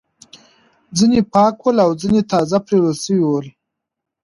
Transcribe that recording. ځینې پاک ول او ځینې تازه پریولل شوي ول.